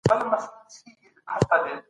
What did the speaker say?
ابن خلدون ويلي دي چي ښاريان په کرنه بوخت نه دي.